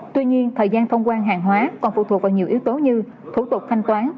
tuy nhiên thời gian thông quan hàng hóa còn phụ thuộc vào nhiều yếu tố như thủ tục thanh toán